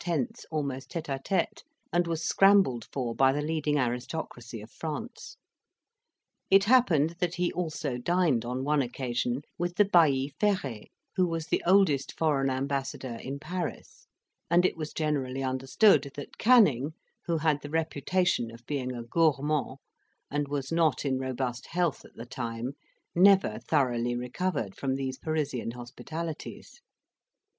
almost tete a tete, and was scrambled for by the leading aristocracy of France. It happened that he also dined, on one occasion, with the Bailly Ferret, who was the oldest foreign ambassador in Paris; and it was generally understood that Canning, who had the reputation of being a gourmand, and was not in robust health at the time, never thoroughly recovered from these Parisian hospitalities.